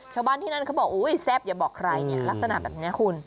ชาวบ้านที่นั่นเขาบอกอุ๊ยแซ่บอย่าบอกใครเนี่ยลักษณะแบบนี้คุณ